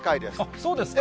そうですか。